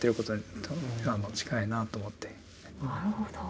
なるほど。